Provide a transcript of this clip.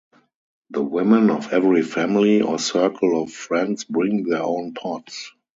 The women of every family or circle of friends bring their own pots.